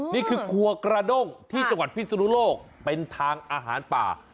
นี่คือครัวกระด้งที่จังหวัดพิศนุโลกเป็นทางอาหารป่า